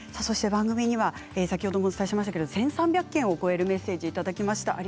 そして番組には先ほどもお伝えしましたが１３００件を超えるメッセージをいただきました。